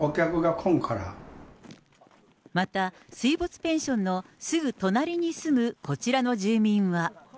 また、水没ペンションのすぐ隣に住むこちらの住民は。